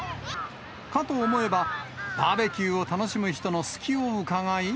かと思えば、バーベキューを楽しむ人の隙をうかがい。